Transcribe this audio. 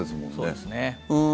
そうですね。